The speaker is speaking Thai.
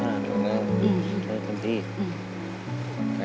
คำพี่เรา